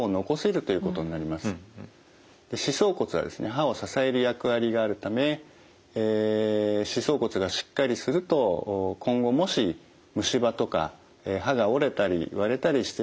歯を支える役割があるため歯槽骨がしっかりすると今後もし虫歯とか歯が折れたり割れたりしてですね